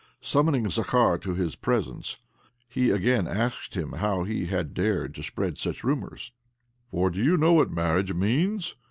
Summoning. Zakhar to his presence, he again asked him how he had dared to spread such rumours. "For do you know what marriage means?"